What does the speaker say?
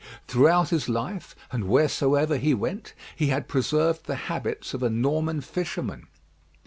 Throughout his life and wheresoever he went, he had preserved the habits of a Norman fisherman.